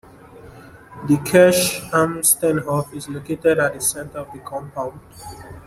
The Kirche am Steinhof is located at the center of the compound.